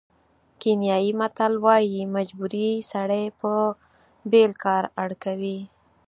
کینیايي متل وایي مجبوري سړی په بېل کار اړ کوي.